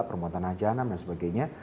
permuatan hajanam dan sebagainya